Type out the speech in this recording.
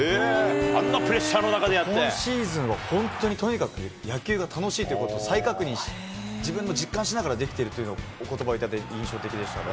あんなプレッシャーの中でや今シーズンは本当にとにかく野球が楽しいということを再確認、自分も実感しながらできてるということばを頂いたのが印象的でしたね。